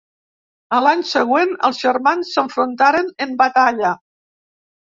A l'any següent els germans s'enfrontaren en batalla.